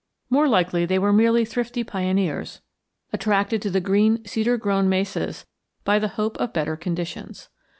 More likely they were merely thrifty pioneers attracted to the green cedar grown mesas by the hope of better conditions.